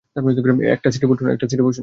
একটা সিটে বসুন।